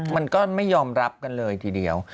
มันก็ไม่ยอมรับกันเลยทีเดียว